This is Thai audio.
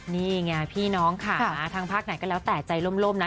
นี่ไงพี่น้องค่ะทางภาคไหนก็แล้วแต่ใจร่มนะ